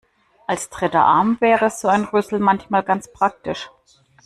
Als dritter Arm wäre so ein Rüssel manchmal ganz praktisch.